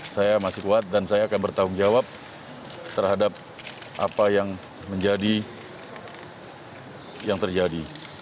saya masih kuat dan saya akan bertanggung jawab terhadap apa yang menjadi yang terjadi